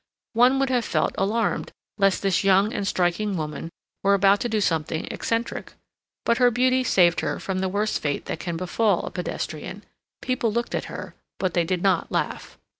One would have felt alarmed lest this young and striking woman were about to do something eccentric. But her beauty saved her from the worst fate that can befall a pedestrian; people looked at her, but they did not laugh.